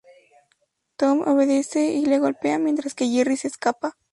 Tom obedece y le golpea mientras que Jerry se escapa.